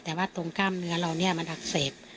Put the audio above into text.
แต่ว่าตรงกล้ามเนื้อเราเนี่ยมันอักเสบ